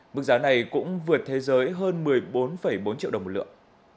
mức giá này cũng vượt thế giới hơn một mươi bốn bốn triệu đồng một lượng